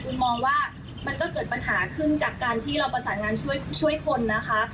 ฉุนก็ขอโทษเจ้าหน้าที่ไว้นะตรงนี้ด้วยนะคะ